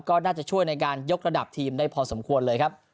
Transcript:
ก็น่าจะช่วยในการยกระดับทีมได้พอสมควรเลยครับ